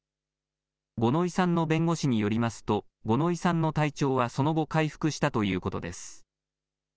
五ノ井さんの弁護士によりますと、五ノ井さんの体調はその後、回復したということです。